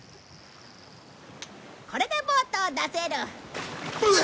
これでボートを出せる。